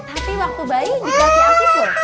tapi waktu bayi dikasih api po